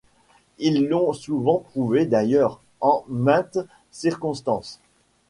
Ils l’ont souvent prouvé, d’ailleurs, en mainte circonstance.